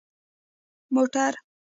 🚘 موټر